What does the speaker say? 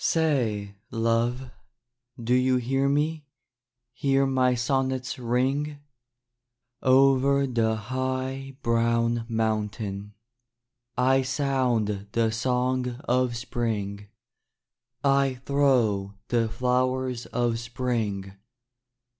Say, love, do you hear me. Hear my sonnets ring ? Over the high, brown mountain I sound the song of spring, I throw the flowers of spring.